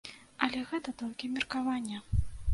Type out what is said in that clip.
Але гэта толькі меркаванне.